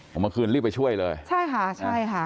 เมื่อคืนรีบไปช่วยเลยใช่ค่ะใช่ค่ะ